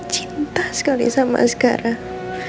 cinta sekali sama sekarang